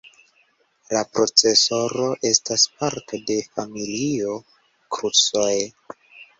La procesoro estas parto de familio Crusoe.